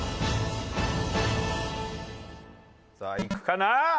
さあいくかな？